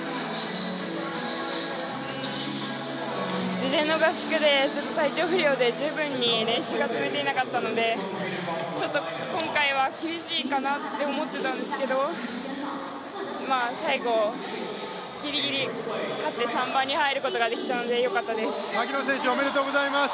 事前の合宿で体調不良で十分に練習が積めていなかったのでちょっと今回は厳しいかなって思ってたんですけど、最後、ギリギリ、勝って３番に入ることができたのでよかったと思います。